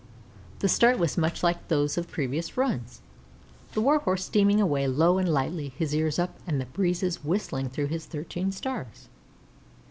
The start was much like those of previous runs. The Warhorse steaming away low and lightly, his ears up and the breezes whistling through his thirteen stars.